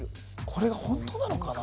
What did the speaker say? これがホントなのかな